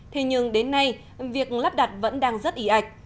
thế nhưng đến nay việc lắp đặt vẫn đang rất ý ạch